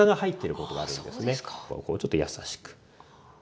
こうちょっと優しく。